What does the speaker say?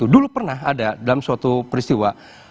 dulu pernah ada dalam suatu peristiwa